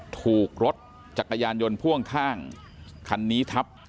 ถูกรถจักรยานยนต์พ่วงข้างคันนี้ทับ